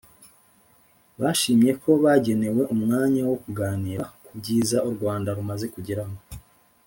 Bashimye ko bagenewe umwanya wo kuganira ku byiza u Rwanda rumaze kugeraho